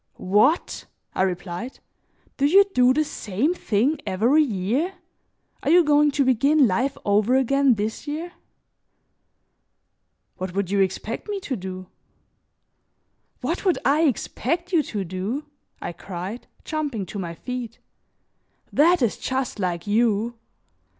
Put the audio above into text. "What!" I replied. "Do you do the same thing every year? Are you going to begin life over again this year?" "What would you expect me to do?" "What would I expect you to do?" I cried, jumping to my feet. "That is just like you.